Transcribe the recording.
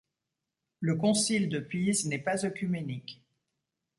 Le concile de Pise n'est pas œcuménique.